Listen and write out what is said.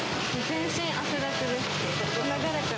全身、汗だくです。